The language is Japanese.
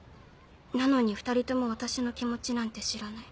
なのに２人とも私の気持ちなんて知らない。